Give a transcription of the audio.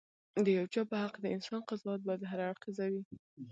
د یو چا په حق د انسان قضاوت باید هراړخيزه وي.